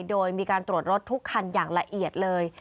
โดยมีการตรวจรถทุกคันอย่างละเอียดเลย